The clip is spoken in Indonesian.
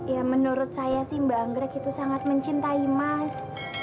ya menurut saya sih mbak anggrek itu sangat mencintai mas